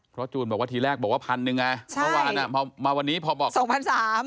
เพราะจูนบอกว่าทีแรกบอกว่าพันหนึ่งไงใช่เมื่อวานอ่ะพอมาวันนี้พอบอกสองพันสาม